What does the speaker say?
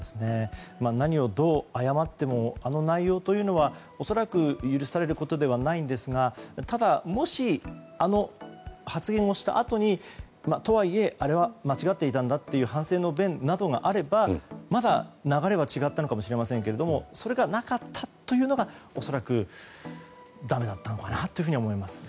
何をどう謝ってもあの内容というのは恐らく許されることではないんですがただもし、あの発言をしたあとにとはいえ、あれは間違っていたんだという反省の弁などがあればまだ、流れは違ったのかもしれないんですがそれがなかったというのが恐らく、だめだったのかなとは思いますね。